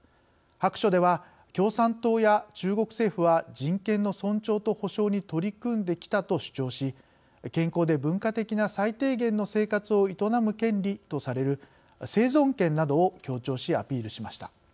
白書では、共産党や中国政府は人権の尊重と保障に取り組んできたと主張し健康で文化的な最低限の生活を営む権利とされる生存権などを強調しアピールしました。